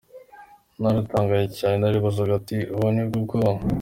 Naratangaye cyane, naribazaga nti ‘ubu nibwo bwonko?’”.